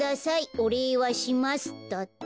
おれいはします」だって。